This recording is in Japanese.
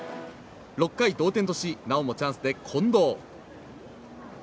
６回、同点としなおもチャンスで近藤。